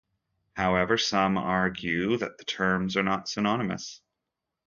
However, some argue that the terms are not synonymous.